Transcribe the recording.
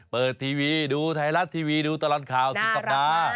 เปิดทีวีดูไทยรัฐทีวีดูตลอดข่าวสุดสัปดาห์